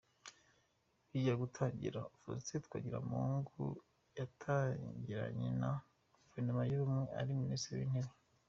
Bijya gutangira : Faustin Twagiramungu yatangirananye na Guverinoma y’Ubumwe, ari Minisitiri w’Intebe.